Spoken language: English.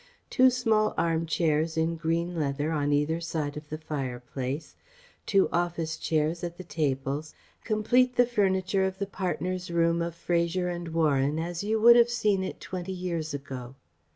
Two small arm chairs in green leather on either side of the fireplace, two office chairs at the tables and a revolving chair at each bureau complete the furniture of the partners' room of Fraser and Warren as you would have seen it twenty years ago.